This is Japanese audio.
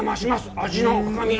味の深みが。